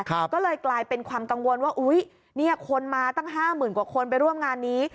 ก็เลยกลายเป็นความกังวลว่าคนมาตั้ง๕๐๐๐๐กว่าคนไปร่วมงานนี้